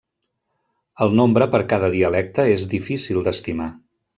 El nombre per a cada dialecte és difícil d'estimar.